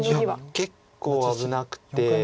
結構危なくて。